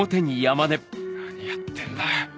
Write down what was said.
何やってんだ。